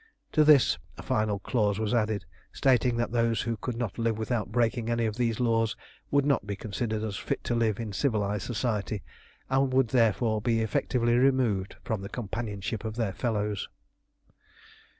To this a final clause was added, stating that those who could not live without breaking any of these laws would not be considered as fit to live in civilised society, and would therefore be effectively removed from the companionship of their fellows.